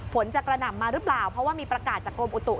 ฝนจะกระหน่ำมาหรือเปล่าเพราะว่ามีประกาศจากกรมอุตุ